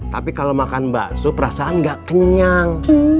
tapi kalau makan bakso perasaan gak kenyang